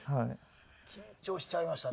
緊張しちゃいましたね。